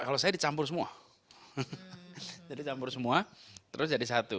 kalau saya dicampur semua jadi campur semua terus jadi satu